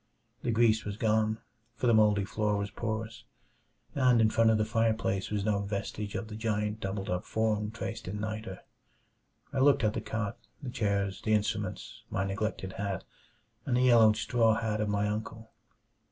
The grease was gone, for the moldy floor was porous. And in front of the fireplace was no vestige of the giant doubled up form traced in niter. I looked at the cot, the chairs, the instruments, my neglected hat, and the yellowed straw hat of my uncle.